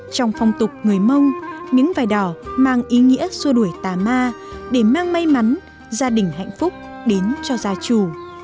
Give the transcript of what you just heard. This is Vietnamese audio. trong phong tục người mông miếng vải đỏ mang ý nghĩa xua đuổi tà ma để mang may mắn gia đình hạnh phúc đến cho gia chủ